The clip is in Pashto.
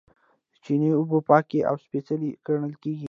د چینې اوبه پاکې او سپیڅلې ګڼل کیږي.